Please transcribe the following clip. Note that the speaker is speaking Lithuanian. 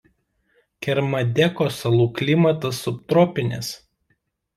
Kermadeko salų klimatas subtropinis.